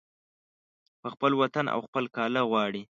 په خپل وطن او خپل کاله غواړي